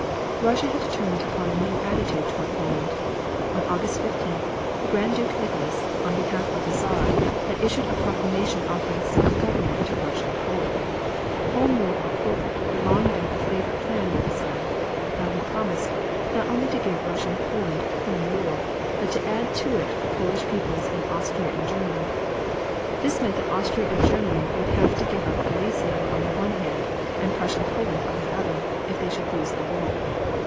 Russia had determined upon a new attitude toward Poland. On August 15th the Grand Duke Nicholas, on behalf of the Czar, had issued a proclamation offering self government to Russian Poland. Home rule for Poland had long been a favorite plan with the Czar. Now he promised, not only to give Russian Poland home rule, but to add to it the Polish peoples in Austria and Germany. This meant that Austria and Germany would have to give up Galicia on the one hand, and Prussian Poland on the other, if they should lose the war.